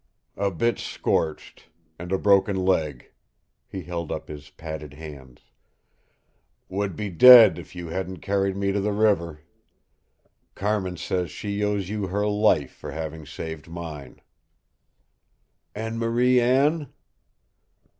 "A bit scorched, and a broken leg." He held up his padded hands. "Would be dead if you hadn't carried me to the river. Carmin says she owes you her life for having saved mine." "And Marie Anne?"